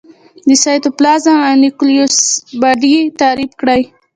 د سایتوپلازم او نیوکلیوس باډي تعریف کړي.